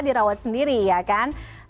di rawat sendiri ya kan